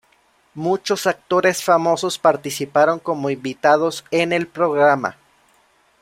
Muchos actores famosos participaron como invitados en el programa.